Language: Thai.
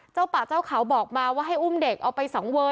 เจ้าป่าเจ้าเขาบอกมาว่าให้อุ้มเด็กเอาไป๒เวอร์